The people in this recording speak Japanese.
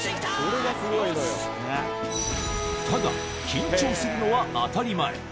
ただ、緊張するのは当たり前。